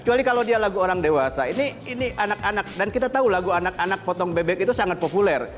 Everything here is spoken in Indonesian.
kecuali kalau dia lagu orang dewasa ini anak anak dan kita tahu lagu anak anak potong bebek itu sangat populer